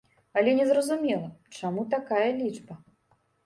Але незразумела, чаму такая лічба.